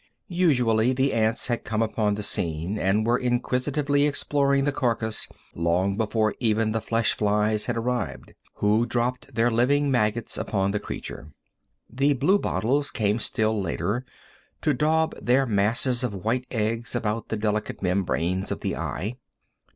Usually the ants had come upon the scene and were inquisitively exploring the carcass long before even the flesh flies had arrived, who dropped their living maggots upon the creature. The blue bottles came still later, to daub their masses of white eggs about the delicate membranes of the eye.